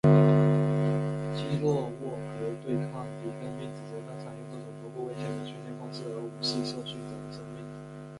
基洛沃格对抗迪根并指责他采用这种不顾危险的训练方式而无视受训者的生命。